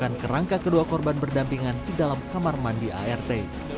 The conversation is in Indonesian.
dan kerangka kedua korban berdampingan di dalam kamar mandi art